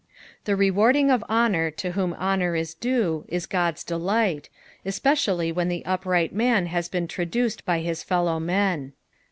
The awarding of honour to whom honour is due is Qod's delight, cspedallj when the upright man has been tra duced by his fellow men.